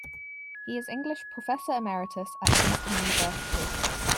He is English Professor Emeritus at Kingston University.